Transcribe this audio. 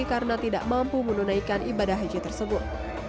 karena tidak mampu menunaikan ibadah haji tersebut